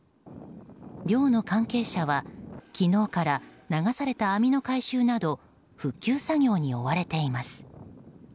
漁の関係者は昨日から流された網の回収など復旧作業に追われています。